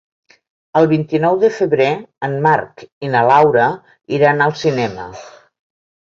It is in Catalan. El vint-i-nou de febrer en Marc i na Laura iran al cinema.